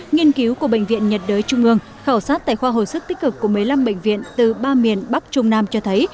nghiên cứu của bệnh viện nhật đới trung ương khảo sát tại khoa hồi sức tích cực của một mươi năm bệnh viện từ ba miền bắc trung nam cho thấy